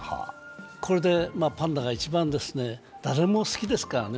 これでパンダが一番ですね、誰も好きですからね。